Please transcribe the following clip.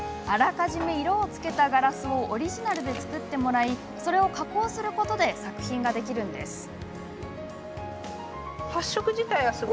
あらかじめ色をつけたガラスをオリジナルで作ってもらいそれを加工することで作品ができるんです。